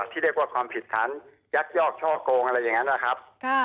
ที่เรียกว่าความผิดฐานยักยอกช่อโกงอะไรอย่างนั้นนะครับ